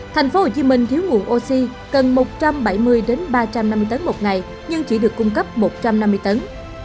thành phố hồ chí minh thiếu nguồn oxy cần một trăm bảy mươi ba trăm năm mươi tấn một ngày nhưng chỉ được cung cấp một trăm năm mươi tấn